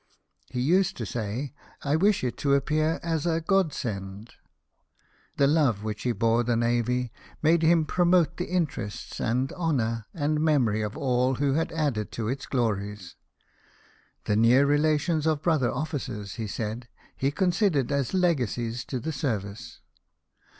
He used to say, " I wish it to appear as a God send," The love which he bore the navy made him promote the interests, and honour the memory, of all who had added to its glories. " The near relations of brother officers," he said, "he considered as legacies to the service."